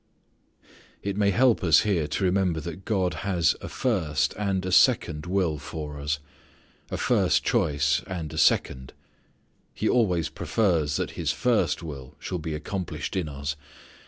It may help us here to remember that God has a first and a second will for us: a first choice and a second. He always prefers that His first will shall be accomplished in us.